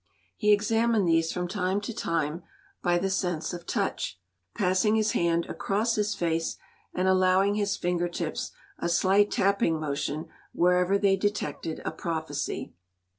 He examined these from time to time by the sense of touch, passing his hand across his face and allowing his finger tips a slight tapping motion wherever they detected a prophecy.